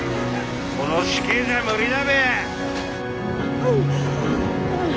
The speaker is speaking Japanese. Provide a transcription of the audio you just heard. この時化じゃ無理だべ。